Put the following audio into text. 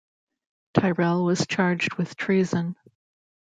Tyrrell was charged with treason.